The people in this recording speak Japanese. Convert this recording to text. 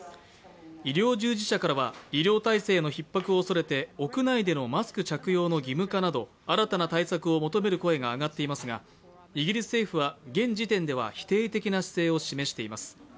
医療従事者からは医療体制のひっ迫を恐れて屋内でのマスク着用の義務化など新たな対策を求める声が上がっていますがイギリス政府は現時点では否定的な姿勢を示しています。